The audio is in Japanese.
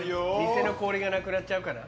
店の氷がなくなっちゃうかな。